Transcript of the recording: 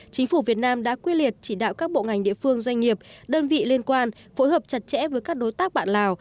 chính phủ việt nam đã quy liệt chỉ đạo các bộ ngành địa phương doanh nghiệp đơn vị liên quan phối hợp chặt chẽ với các đối tác bạn lào